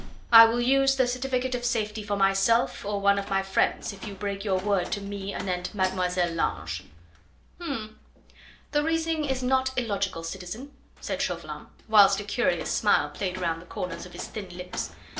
"I will use the certificate of safety for myself or one of my friends if you break your word to me anent Mademoiselle Lange." "H'm! the reasoning is not illogical, citizen," said Chauvelin, whilst a curious smile played round the corners of his thin lips.